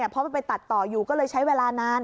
เพราะมันไปตัดต่ออยู่ก็เลยใช้เวลานาน